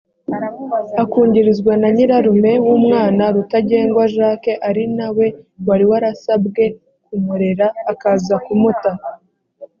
akungirizwa na nyirarume w’umwana rutagengwa jacques ari na we wari wasabwe kumurera akaza kumuta